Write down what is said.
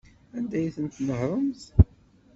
Anda ay ten-tnehṛemt?